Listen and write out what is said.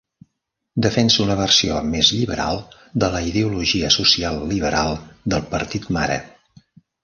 Defensa una versió més lliberal de la ideologia social liberal del partit mare.